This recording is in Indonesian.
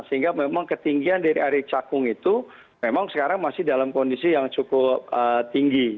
sehingga memang ketinggian dari air cakung itu memang sekarang masih dalam kondisi yang cukup tinggi